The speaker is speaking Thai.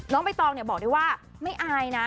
ใบตองบอกได้ว่าไม่อายนะ